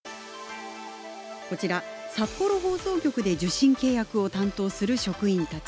こちら札幌放送局で受信契約を担当する職員たち。